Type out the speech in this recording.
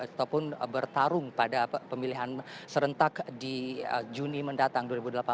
ataupun bertarung pada pemilihan serentak di juni mendatang dua ribu delapan belas